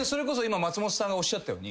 松本さんがおっしゃったように。